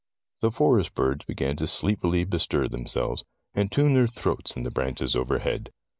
The forest birds began to sleepily bestir themselves, and tune their throats in the branches overhead.